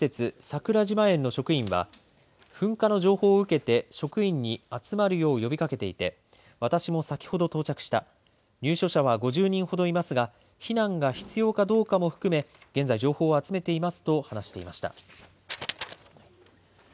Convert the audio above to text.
桜島園の職員は噴火の情報を受けて職員に集まるよう呼びかけていて私も先ほど到着した、入所者は５０人ほどいますが避難が必要かどうかも含め、現在、情報を集めていますと話していました。